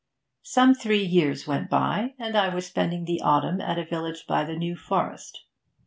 Some three years went by, and I was spending the autumn at a village by the New Forest.